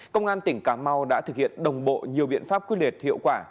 công an tỉnh cà mau đã thực hiện đồng bộ nhiều biện pháp quy lệ hiệu quả